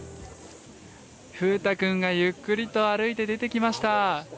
風太くんがゆっくりと歩いて出てきました。